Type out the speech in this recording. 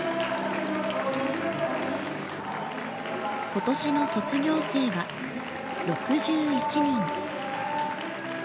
今年の卒業生は６１人。